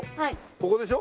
ここでしょ？